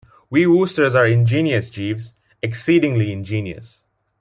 We Woosters are ingenious, Jeeves, exceedingly ingenious.